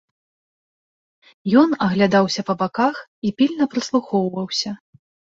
Ён аглядаўся па баках і пільна прыслухоўваўся.